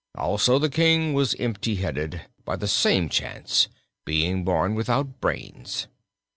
Also the King was empty headed by the same chance, being born without brains."